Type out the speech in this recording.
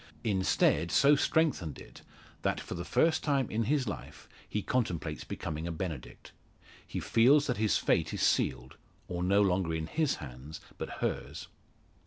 Instead, so strengthened it, that for the first time in his life he contemplates becoming a benedict. He feels that his fate is sealed or no longer in his hands, but hers.